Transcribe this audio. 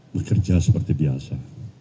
bekerja seperti biasa